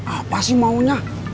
apa sih maunya